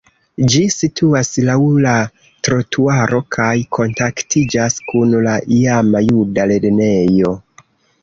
Ĝi situas laŭ la trotuaro kaj kontaktiĝas kun la iama juda lernejo.